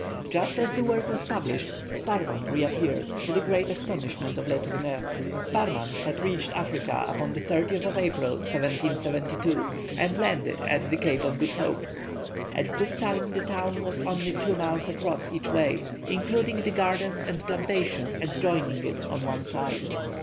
Just as the work was published, Sparrman reappeared, to the great astonishment of Le Tourneur. Sparrman had reached Africa upon the 30th of April, 1772, and landed at the Cape of Good Hope. At this time the town was only two miles across each way, including the gardens and plantations adjoining it on one side.